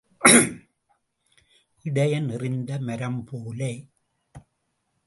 இடையன் எறிந்த மரம் போல.